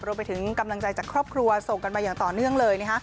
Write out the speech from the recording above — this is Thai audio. รวมไปถึงกำลังใจจากครอบครัวส่งกันมาอย่างต่อเนื่องเลย